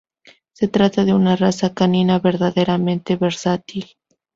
Se trata de una raza canina verdaderamente versátil.